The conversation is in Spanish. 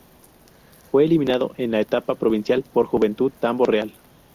Fue eliminado en la Etapa Provincial por Juventud Tambo Real.